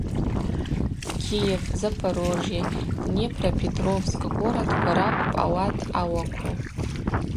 Киев, Запорожье, Днепропетровск городква ракӏвпӏ ауат ъауакву.